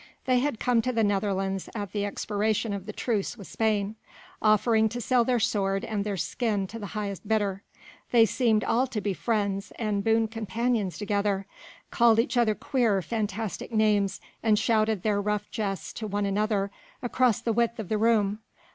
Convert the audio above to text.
They had come to the Netherlands at the expiration of the truce with Spain, offering to sell their sword and their skin to the highest bidder. They seemed all to be friends and boon companions together, called each other queer, fantastic names and shouted their rough jests to one another across the width of the room.